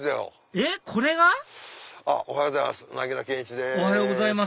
えっこれが⁉おはようございます。